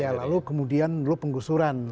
ya lalu kemudian dulu penggusuran